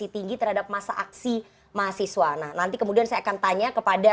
hidup rakyat indonesia